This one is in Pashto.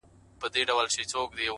هره تجربه د پوهې څراغ بلوي،